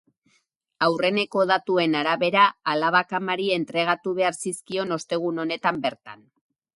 Aurreneko datuen arabera, alabak amari entregatu behar zizkion ostegun honetan bertan.